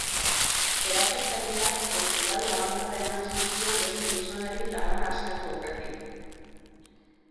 Erasotzaileak beste lau labankada eman zizkion beste gizonari labana askatu aurretik.